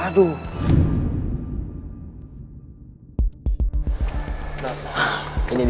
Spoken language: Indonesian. biar dia ikutin aja lah